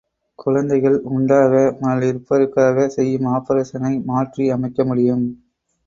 குழந்தைகள் உண்டாகாமலிருப்பதற்காகச் செய்யும் ஆப்பரேஷனை மாற்றி அமைக்கமுடியும்.